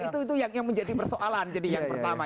itu yang menjadi persoalan jadi yang pertama